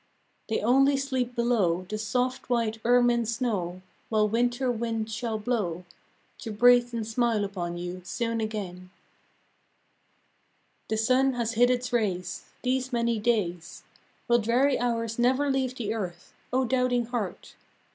They only sleep below The soft white ermine snow, While winter winds shall blow, To breathe and smile upon you soon again. NOW. "5 III. The sun has hid its rays These many days; Will dreary hours never leave the earth ? O doubting heart!